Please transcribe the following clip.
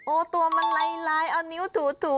ตัวมันลายเอานิ้วถู